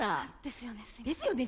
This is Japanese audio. ですよね。